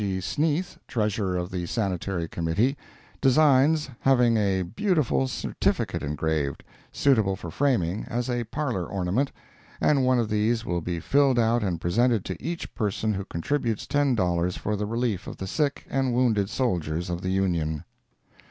G. Sneath, Treasurer of the Sanitary Committee, designs having a beautiful certificate engraved, suitable for framing as a parlor ornament, and one of these will be filled out and presented to each person who contributes ten dollars for the relief of the sick and wounded soldiers of the Union.